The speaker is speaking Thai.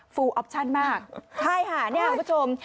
ออปชั่นมากใช่ค่ะเนี่ยคุณผู้ชม